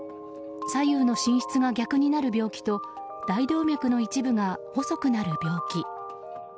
左右の心室が逆になる病気と大動脈の一部が細くなる病気。